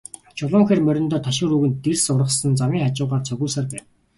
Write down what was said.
Чулуун хээр мориндоо ташуур өгөн, дэрс ургасан замын хажуугаар цогиулсаар байв.